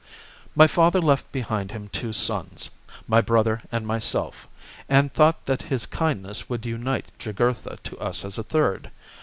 " My father left behind him two sons, my brother and myself, and thought that his kindness would unite Jugurtha to us as a third.